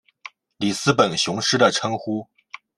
里斯本雄狮的称呼。